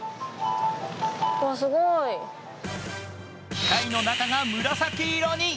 機械の中が紫色に。